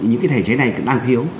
những cái thể chế này cũng đang thiếu